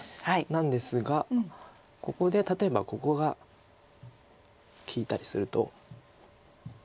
なんですがここで例えばここが利いたりすると。